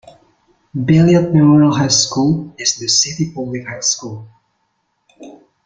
Beloit Memorial High School is the city's public high school.